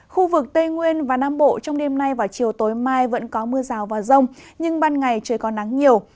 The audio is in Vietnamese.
khu vực tây nguyên và nam bộ trong đêm nay và chiều tối mai vẫn có mưa rào và rông nhưng ban ngày trời có nắng nhiều